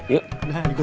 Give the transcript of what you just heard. yaudah deh yuk